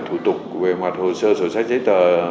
thủ tục về mặt hồ sơ sổ sách giấy tờ